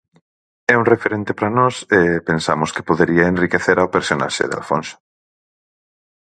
É un referente para nós e pensamos que podería enriquecer ao personaxe de Alfonso.